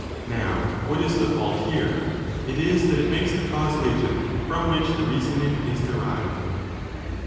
Now, what is the fault here? It is that it makes the cause latent, from which the reasoning is derived.